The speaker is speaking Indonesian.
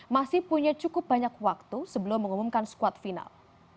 masih punya cukup banyak waktu sebelum mengumumkan squad final